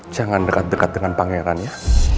jangan dekat dekat dengan pangeran ya